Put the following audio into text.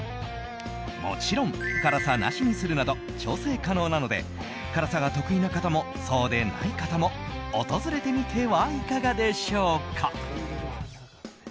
もちろん、辛さなしにするなど調整可能なので辛さが得意な方もそうでない方も訪れてみてはいかがでしょうか。